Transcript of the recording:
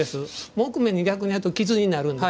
木目と逆にすると傷になるんです。